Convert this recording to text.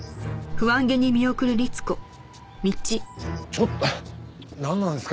ちょっとなんなんですか？